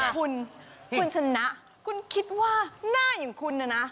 คุณคุณชนะคุณคิดว่าหน้าอย่างคุณนะนะ